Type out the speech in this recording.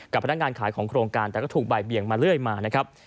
พนักงานขายของโครงการแต่ก็ถูกบ่ายเบียงมาเรื่อยมานะครับ